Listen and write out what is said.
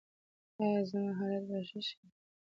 ایا زما حالت به ښه شي؟